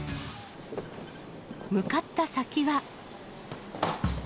向かった先は。